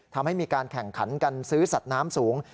ทำให้มีการแข่งขันกันซื้อสัตว์น้ำสูง